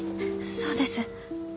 そうです。